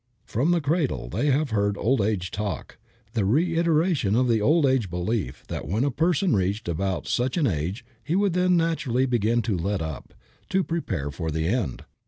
From the cradle they have heard old age talk, the reiteration of the old age belief that when a person reached about such an age he would then naturally begin to let up, to prepare for the end.